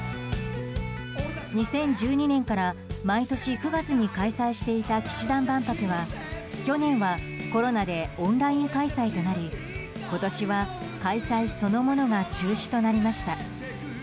２０１２年から毎年９月に開催していた、氣志團万博は去年はコロナでオンライン開催となり今年は開催そのものが中止となりました。